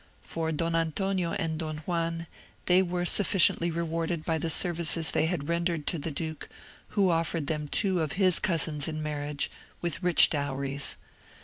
For Don Antonio and Don Juan, they were sufficiently rewarded by the services they had rendered to the duke, who offered them two of his cousins in marriage, with rich dowries.